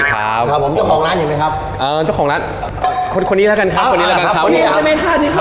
เป็นคนน่ารักด้วย